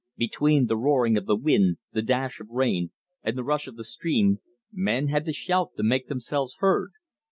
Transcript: Between the roaring of the wind, the dash of rain, and the rush of the stream, men had to shout to make themselves heard.